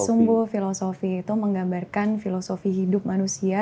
sumbu filosofi itu menggambarkan filosofi hidup manusia